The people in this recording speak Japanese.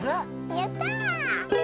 やった！